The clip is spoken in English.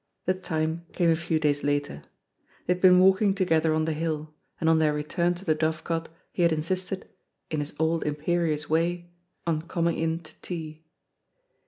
The time came a few days later. They had been walking together on the hill, and on their return to the Dovecot he had insisted, "in his old imperious way," on coming in to tea.